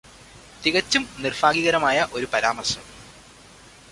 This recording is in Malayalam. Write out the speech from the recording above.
തികച്ചും നിർഭാഗ്യകരമായ ഒരു പരാമർശം.